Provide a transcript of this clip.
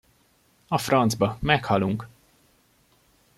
A francba, meghalunk!